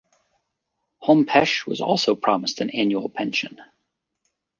Hompesch was also promised an annual pension.